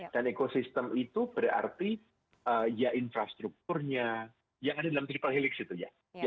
dan ekosistem itu berarti infrastrukturnya yang ada dalam triple helix itu ya